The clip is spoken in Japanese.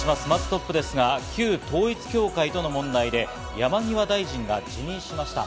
トップですが、旧統一教会との問題で、山際大臣が辞任しました。